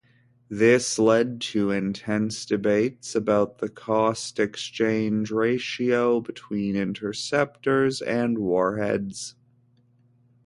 This led to intense debates about the "cost-exchange ratio" between interceptors and warheads.